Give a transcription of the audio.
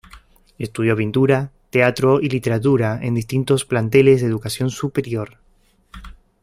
Estudió pintura, teatro y literatura en distintos planteles de educación superior.